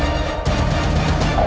aku akan menikah denganmu